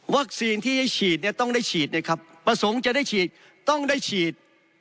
ที่ให้ฉีดเนี่ยต้องได้ฉีดนะครับประสงค์จะได้ฉีดต้องได้ฉีด